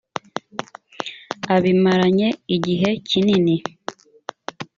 abimaranye igihe kinini.